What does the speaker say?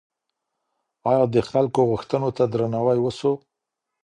آيا د خلګو غوښتنو ته درناوی وسو؟